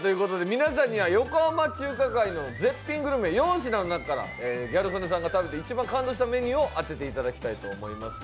皆さんには横浜中華街の絶品グルメ４品の中からギャル曽根さんが食べて一番感動したメニューを当ててもらいたいと思います。